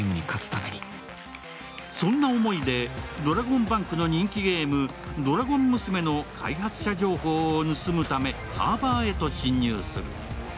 そんな思いでドラゴンバンクの人気ゲーム、「ドラゴン娘」の開発者情報を盗むためにサーバーへと侵入する